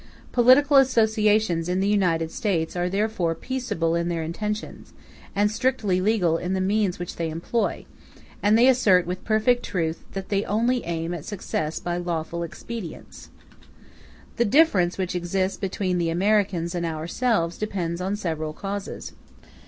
Political associations in the United States are therefore peaceable in their intentions, and strictly legal in the means which they employ; and they assert with perfect truth that they only aim at success by lawful expedients. The difference which exists between the Americans and ourselves depends on several causes.